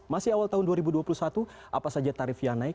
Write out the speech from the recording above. masih awal tahun dua ribu dua puluh satu apa saja tarif yang naik